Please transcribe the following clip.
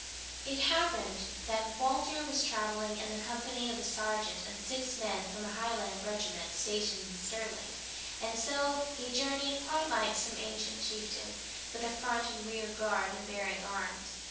It happened that Walter was traveling in the company of a sergeant and six men from a Highland regiment stationed in Sterling, and so he journeyed quite like some ancient chieftain, with a front and rear guard, and bearing arms.